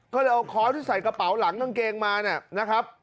ก็เลยเอาค้อนที่ใส่กระเป๋าหลังกางเกงมาเนี่ยนะครับ